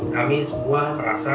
kami sebuah perasaan